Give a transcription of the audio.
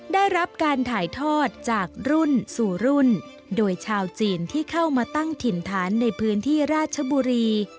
ได้รับการถ่ายทอดจากรุ่นสู่รุ่นโดยชาวจีนที่เข้ามาตั้งถิ่นฐานในพื้นที่ราชบุรี